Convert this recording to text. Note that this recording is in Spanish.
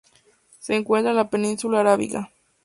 Se encuentra en la Península Arábiga.